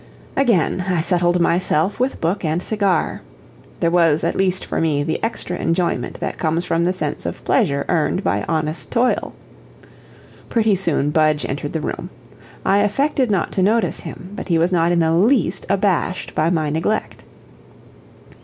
Again I settled myself with book and cigar; there was at least for me the extra enjoyment that comes from the sense of pleasure earned by honest toil. Pretty soon Budge entered the room. I affected not to notice him, but he was not in the least abashed by my neglect.